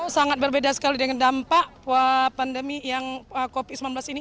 sangat berbeda sekali dengan dampak pandemi yang covid sembilan belas ini